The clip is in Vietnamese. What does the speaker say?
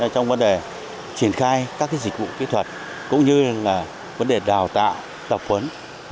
trong vấn đề triển khai các dịch vụ kỹ thuật cũng như vấn đề đào tạo tập huấn